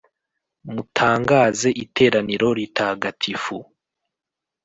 mutangaze iteraniro ritagatifu,